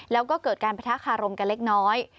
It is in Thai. แล้วก็เกิดการประทะคารมกันเล็กน้อย